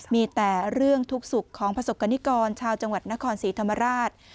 มีแต่เรื่องทุกสุขของประสบกรณิกรชาวจังหวัดนครศรีธรรมราช